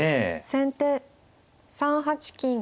先手３八金。